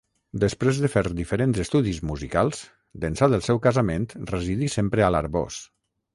Després de fer diferents estudis musicals, d'ençà del seu casament residí sempre a l'Arboç.